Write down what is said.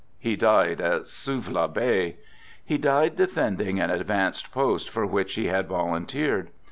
He died at Suvla Bay. He died defending an ad vanced post for which he had volunteered.